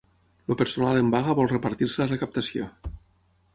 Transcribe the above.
El personal en vaga vol repartir-se la recaptació.